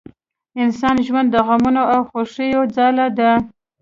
انسان ژوند د غمونو او خوښیو ځاله ده